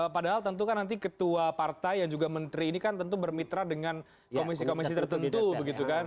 padahal tentu kan nanti ketua partai yang juga menteri ini kan tentu bermitra dengan komisi komisi tertentu begitu kan